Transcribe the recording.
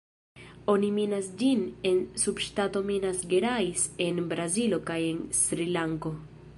Oni minas ĝin en subŝtato Minas Gerais en Brazilo kaj en Srilanko.